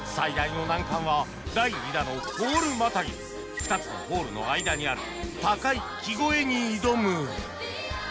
２つのホールの間にある高い木越えに挑む